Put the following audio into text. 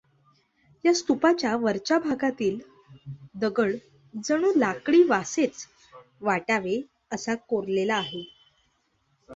या स्तूपाच्या वरच्या भागातील दगड जणू लाकडी वासेच वाटावे असा कोरलेला आहे.